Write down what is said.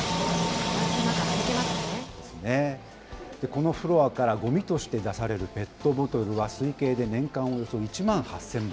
このフロアからごみとして出されるペットボトルは、推計で年間およそ１万８０００本。